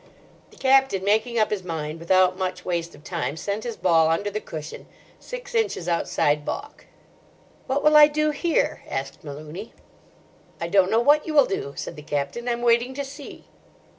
The Captain, making up his mind without much waste of time, sent his ball under the cushion, six inches outside baulk. "What will I do here?" asked Malooney. "I don't know what you will do," said the Captain; "I'm waiting to see."